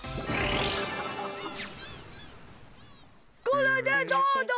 これでどうだ！